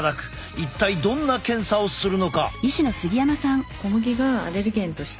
一体どんな検査をするのか？